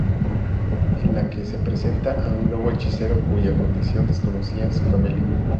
En la que se presenta a un lobo-hechicero, cuya condición desconocía su familia.